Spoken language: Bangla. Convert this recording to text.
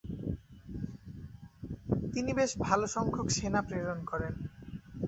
তিনি বেশ ভালো সংখ্যক সেনা প্রেরণ করেন।